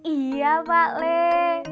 iya pak leh